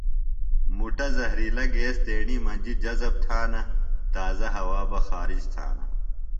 مُٹہ زہرِیلہ گیس تیݨیۡ مجیۡ جذب تھانہ۔ تازہ ہوا بہ خارِج تھانہ